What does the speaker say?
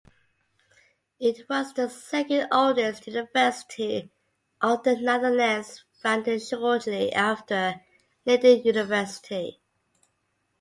It was the second oldest university of the Netherlands, founded shortly after Leiden University.